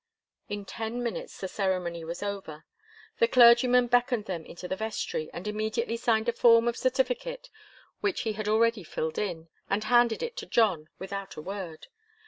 In ten minutes the ceremony was over. The clergyman beckoned them into the vestry, and immediately signed a form of certificate which he had already filled in, and handed it to John without a word.